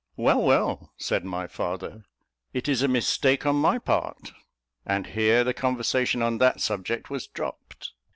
"Well, well," said my father, "it is a mistake on my part." And here the conversation on that subject was dropped.